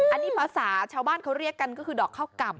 อันนี้ภาษาชาวบ้านเขาเรียกกันก็คือดอกข้าวก่ำ